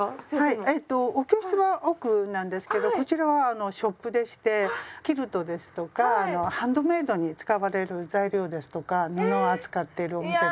はいお教室は奥なんですけどこちらはあのショップでしてキルトですとかハンドメイドに使われる材料ですとか布を扱っているお店です。